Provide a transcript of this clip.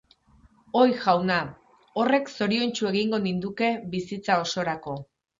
Oi!, jauna! Horrek zoriontsu egingo ninduke bizitza osorako!.